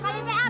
salah kali pe